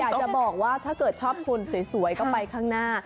อยากจะบอกว่าถ้าเกิดชอบคนสวยก็ไปข้างหน้า